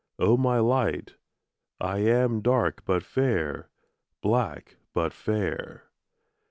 O my light, I am dark but fair, Black but fair.